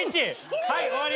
はい終わり。